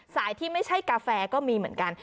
ที่ไม่ใช่กาแฟก็มีเหมือนกัน